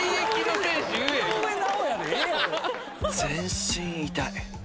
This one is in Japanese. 全身痛い。